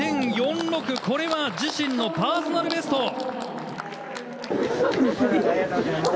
これは自身のパーソナルベスト！